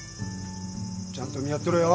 ちゃんと見張ってろよ。